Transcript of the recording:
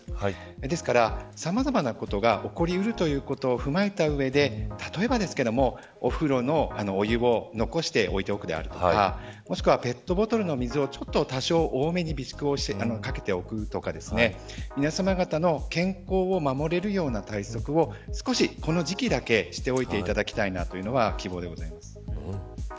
ですから、さまざまなことが起こりうるということを踏まえたうえで例えば、お風呂のお湯を残しておいておくとかもしくはペットボトルの水を多少多めに備蓄しておくとか皆さま方の健康を守れるような対策を少し、この時期だけしておいていただきたいというのが希望です。